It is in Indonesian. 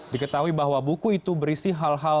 diketahui bahwa buku ini tidak berdasarkan data yang akurat